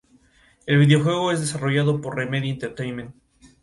El videojuego es desarrollado por Remedy Entertainment.